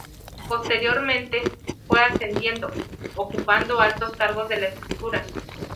Posteriormente, fue ascendiendo, ocupando altos cargos de la estructura.